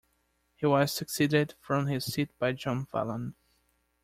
He was succeeded from his seat by John Falloon.